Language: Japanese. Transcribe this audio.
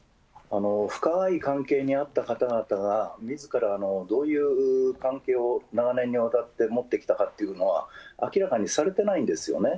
深い関係にあった方々がみずからどういう関係を、長年にわたって持ってきたかっていうのは、明らかにされてないんですよね。